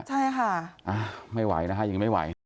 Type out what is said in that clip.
ใช่ค่ะไม่ไหวนะคะยังไม่ไหว